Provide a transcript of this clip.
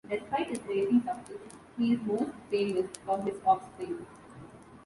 Despite his racing success, he is most famous for his offspring.